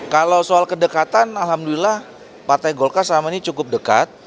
kalau soal kedekatan alhamdulillah partai golkar selama ini cukup dekat